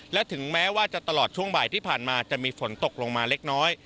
และถึงแม้ว่าจะตลอดช่วงบ่ายที่ผ่านมาจะมีฝนตกลงมาเล็กน้อย